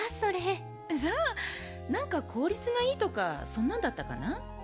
なんか効率がいいとかそんなんだったかな。